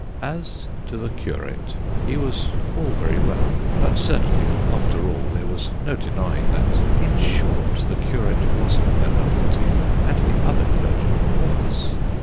As to the curate, lie was all very well; but certainly, after all, there was no denying that that in short, the curate wasn't a novelty, and the other clergyman was.